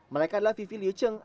mereka adalah vivi liu cheng